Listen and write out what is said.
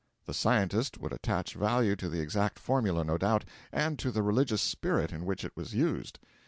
The Scientist would attach value to the exact formula, no doubt, and to the religious spirit in which it was used.